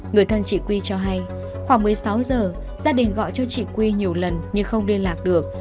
người thân chị quy cho hay khoảng một mươi sáu giờ gia đình gọi cho chị quy nhiều lần nhưng không liên lạc được